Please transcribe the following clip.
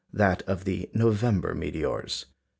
that of the November meteors.